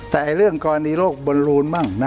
แต่เรื่องกรณีโรคบอลลูนบ้าง